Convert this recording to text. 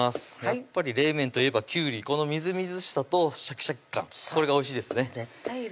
やっぱり冷麺といえばきゅうりこのみずみずしさとシャキシャキ感これがおいしいですね絶対いる